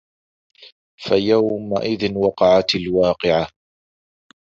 فَيَومَئِذٍ وَقَعَتِ الواقِعَةُ